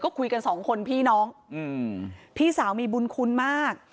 ก็คุยกันสองคนพี่น้องอืมพี่สาวมีบุญคุณมาก